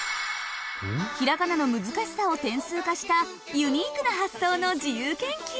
平仮名の難しさを点数化したユニークな発想の自由研究。